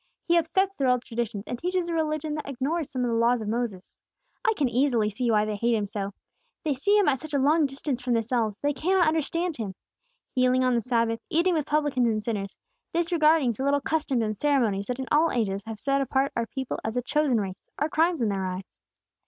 He upsets their old traditions, and teaches a religion that ignores some of the Laws of Moses. I can easily see why they hate Him so. They see Him at such a long distance from themselves, they can not understand Him. Healing on the Sabbath, eating with publicans and sinners, disregarding the little customs and ceremonies that in all ages have set apart our people as a chosen race, are crimes in their eyes.